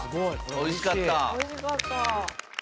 おいしかった。